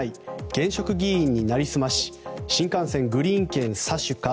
現職議員に成り済まし新幹線グリーン券詐取か。